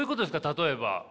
例えば。